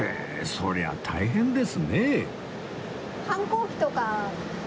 そりゃあ大変ですね